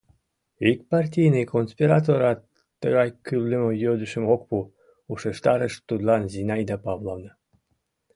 — Ик партийный конспираторат тыгай кӱлдымӧ йодышым ок пу, — ушештарыш тудлан Зинаида Павловна.